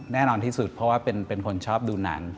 แน่นอนที่สุดเพราะว่าเป็นคนชอบดูหนัง